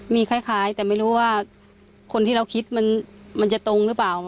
มีคล้ายแต่ไม่รู้ว่าคนที่เราคิดมันจะตรงหรือเปล่า